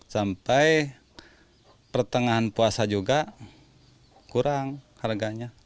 sampai pertengahan puasa juga kurang harganya